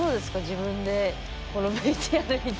自分でこのＶＴＲ見て。